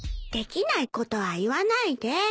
できないことは言わないで。